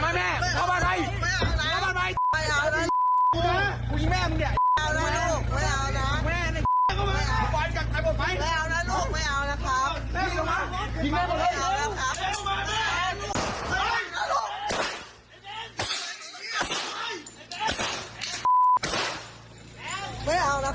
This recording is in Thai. เรียกรถลงบ้านเร็วเรียกไอ้แม้งมารับเร็ว